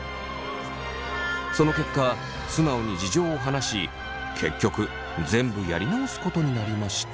その結果素直に事情を話し結局全部やり直すことになりました。